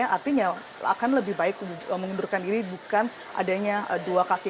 artinya akan lebih baik mengundurkan diri bukan adanya dua kaki